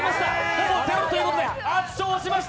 ほぼゼロということで圧勝した！